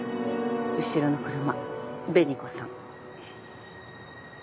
後ろの車紅子さん。